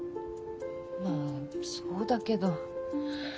まぁそうだけど。